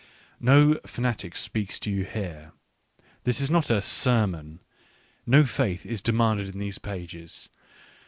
No fanatic speaks to you here ; this is not a " sermon "; no faith is demanded in these pages.